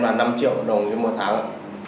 là năm triệu đồng như một tháng